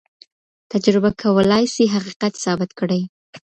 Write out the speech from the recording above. تجربه کولای سي حقيقت ثابت کړي.